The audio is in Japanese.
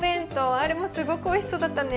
あれもすごくおいしそうだったね。ね。